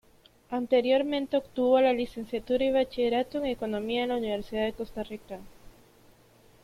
Anteriormente obtuvo la licenciatura y bachillerato en economía en la Universidad de Costa Rica.